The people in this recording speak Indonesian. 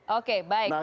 oke baik baik